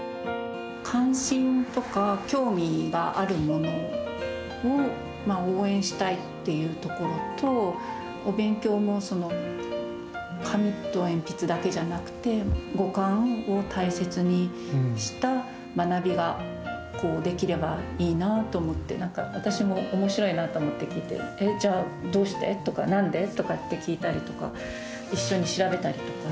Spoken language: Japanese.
関心とか興味があるものを応援したいっていうところと、お勉強も紙と鉛筆だけじゃなくて、五感を大切にした学びができればいいなと思って、私もおもしろいなと思って聞いて、じゃあ、どうして？とかなんで？とかって聞いたりとか、一緒に調べたりとか。